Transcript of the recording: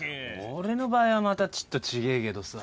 俺の場合はまたちっと違えけどさ。